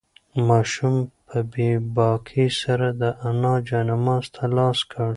ماشوم په بې باکۍ سره د انا جاینماز ته لاس کړ.